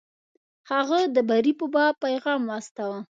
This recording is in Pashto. هغه د بري په باب پیغام واستاوه.